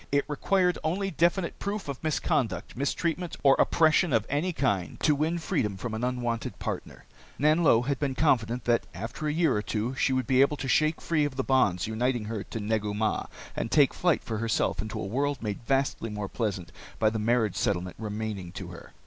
It required only definite proof of misconduct, mistreatment, or oppression of any kind to win freedom from an unwanted partner. Nanlo had been confident that after a year or two she would be able to shake free of the bonds uniting her to Negu Mah and take flight for herself into a world made vastly more pleasant by the marriage settlement remaining to her.